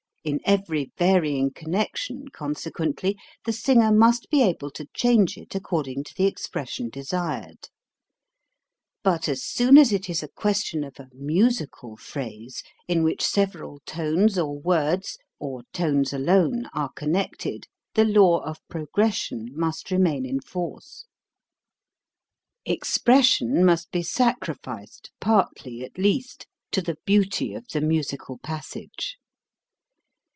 In every varying connection, consequently, the singer must be able to change it according to the expression desired. But as soon as it is a question of a musical phrase, in which several tones or words, or tones alone, are connected, the law of progression must remain in force; expres sion must be sacrificed, partly at least, to the beauty of the musical passage.